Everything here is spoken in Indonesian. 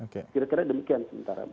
kira kira demikian sementara